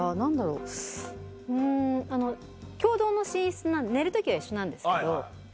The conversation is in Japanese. うんあの共同の寝室寝る時は一緒なんですけど。